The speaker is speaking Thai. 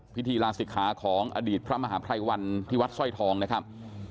พิธีลาศิกขาของอดีตพระมหาภัยวันที่วัดสร้อยทองนะครับ